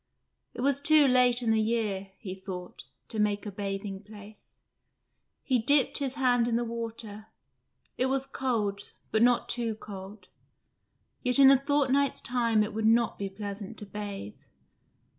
It was too late in the year, he thought, to make a bathing place. He dipped his hand in the water: it was cold, but not too cold. Yet in a fortnight's time it would not be pleasant to bathe.